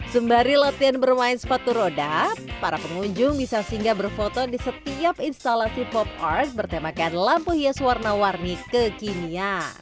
sembari latihan bermain sepatu roda para pengunjung bisa singgah berfoto di setiap instalasi pop art bertemakan lampu hias warna warni kekinian